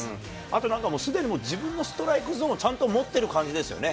あとなんか、すでに自分のストライクゾーンをちゃんと持っている感じですよね。